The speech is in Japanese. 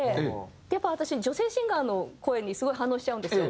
やっぱ私女性シンガーの声にすごい反応しちゃうんですよ。